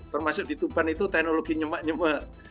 termasuk di tumpan itu teknologi nyemak nyemak